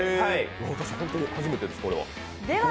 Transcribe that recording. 私、本当に初めてです、これは。